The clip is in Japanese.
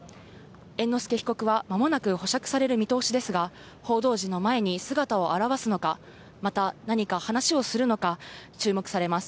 猿之助被告はまもなく保釈される見通しですが、報道陣の前に姿を現すのか、また何か話をするのか、注目されます。